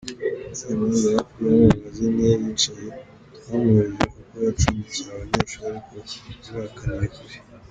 Semanza hafi y’amangazini ye yicaye, twamubajije uko yacumbikiye aba banyeshuri ariko yabihakaniye kure.